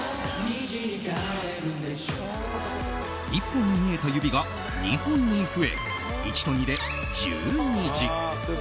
１本に見えた指が２本に増え１と２で１２時。